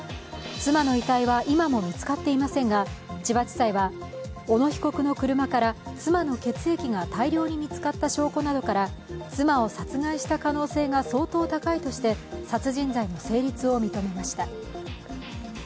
妻の遺体は今も見つかっていませんが千葉地裁は、小野被告の車から妻の血液が大量に見つかった証拠などから妻を殺害した可能性が相当高いとして殺人罪の成立を認めました。